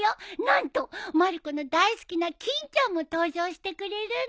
何とまる子の大好きな欽ちゃんも登場してくれるんだ！